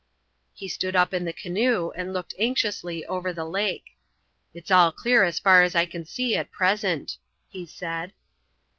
He stood up in the canoe and looked anxiously over the lake. "It's all clear as far as I can see at present," he said.